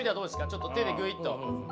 ちょっと手でグイっと。